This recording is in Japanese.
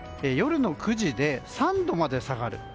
夜の９時で３度まで下がる。